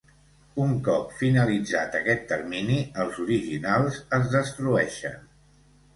Un cop finalitzat aquest termini, els originals es destrueixen.